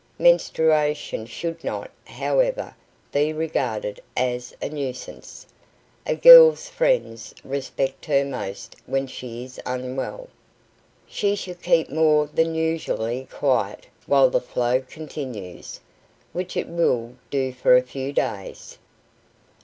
Menstruation should not, however, be regarded as a nuisance; a girl's friends respect her most when she is "unwell." She should keep more than usually quiet while the flow continues, which it will do for a few days.